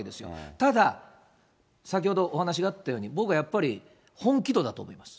ただ、先ほど、お話があったように、僕はやっぱり本気度だと思います。